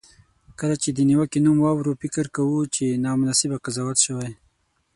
کله چې د نیوکې نوم واورو، فکر کوو چې نامناسبه قضاوت شوی.